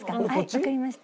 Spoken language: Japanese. わかりました。